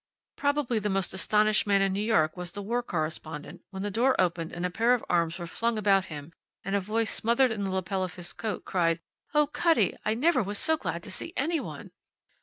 Probably the most astonished man in New York was the war correspondent when the door opened and a pair of arms were flung about him, and a voice smothered in the lapel of his coat cried: "Oh, Cutty, I never was so glad to see any one!"